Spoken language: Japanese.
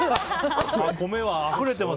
米はあふれてます。